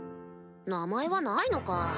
名前はないのか。